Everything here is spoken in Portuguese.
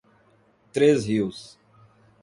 Três Rios